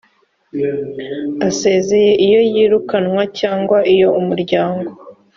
asezeye iyo yirukanwe cyangwa iyo umuryango